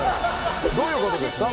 どういうことですか？